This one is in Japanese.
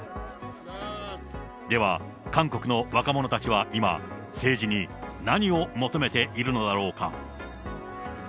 では、韓国の若者たちは今、政治に何を求めているのだろうか。